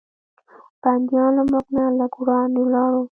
بندیان له موږ نه لږ وړاندې ولاړ و.